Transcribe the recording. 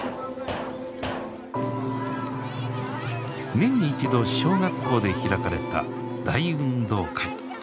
年に一度小学校で開かれた大運動会。